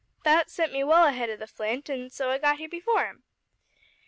That sent me well ahead o' the Flint, an' so I got here before him.